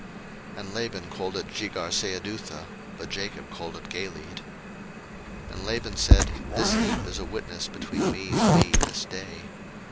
01:031:047 And Laban called it Jegarsahadutha: but Jacob called it Galeed. 01:031:048 And Laban said, This heap is a witness between me and thee this day.